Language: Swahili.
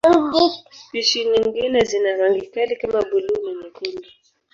Spishi nyingine zina rangi kali kama buluu na nyekundu.